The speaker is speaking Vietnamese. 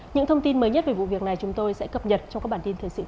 những thông tin mới nhất về vụ việc này chúng tôi sẽ cập nhật cho các bạn